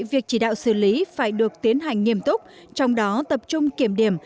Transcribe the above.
việc chỉ đạo xử lý phải được tiến hành nghiêm túc trong đó tập trung kiểm điểm